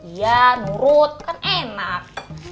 iya nurut kan enak